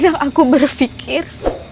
kadang aku berpikir